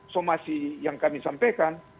somasi yang kami sampaikan